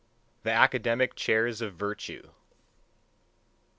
II. THE ACADEMIC CHAIRS OF VIRTUE.